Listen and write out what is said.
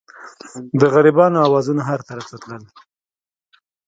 د غریبانو اوازونه هر طرف ته تلل.